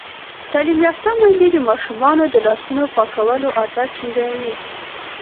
تعلیم یافته میندې د ماشومانو د لاسونو پاکولو عادت ټینګوي.